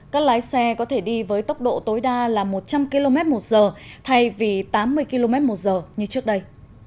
các lái xe có thể đi với tốc độ tối đa là một trăm linh km một giờ thay vì tám mươi km một giờ như trước đây